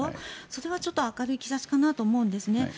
それは明るい兆しかなと思うんですね。